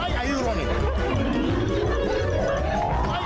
ไอ้อายุเรานี่